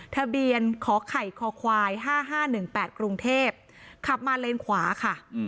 ทะเบียนขอไข่คอควาย๕๕๑๘กรุงเทพขับมาเลนขวาค่ะ